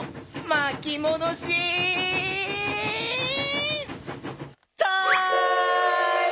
まきもどしタイム！